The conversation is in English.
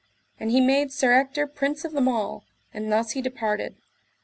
And he made Sir Ector prince of them all, and thus he departed.